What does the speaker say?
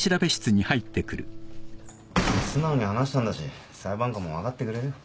素直に話したんだし裁判官も分かってくれるよ。